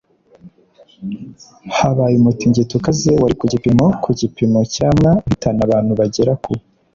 habaye umutingito ukaze wari ku gipimo cya ku gipimo cya Mw uhitana abantu bagera ku